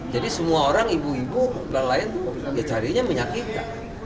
jadi semua orang ibu ibu lelah lain carinya minyak kita